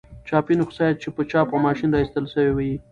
چاپي نسخه چي په چاپ او ما شين را ایستله سوې يي.